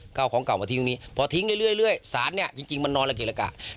ก็เอาของเก่ามาทิ้งตรงนี้พอทิ้งเรื่อยสารเนี่ยจริงมันนอนละเกะละกะ